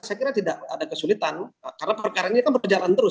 saya kira tidak ada kesulitan karena perkara ini kan berjalan terus